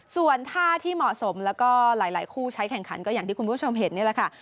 ส่วนท่าที่เหมาะสมแล้วก็หลายคู่ใช้แข่งขันก็อย่างที่คุณผู้ชมเห็นนี่แหละค่ะ